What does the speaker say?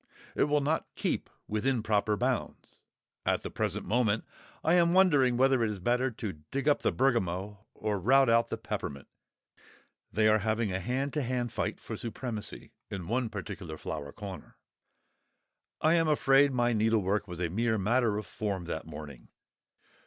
It will not keep within proper bounds. At the present moment I am wondering whether it is better to dig up the bergamot or rout out the peppermint; they are having a hand to hand fight for supremacy in one particular flower corner. I am afraid my needlework was a mere matter of form that morning.